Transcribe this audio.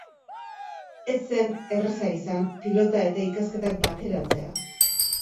Ez zen erraza izan pilota eta ikasketak bateratzea.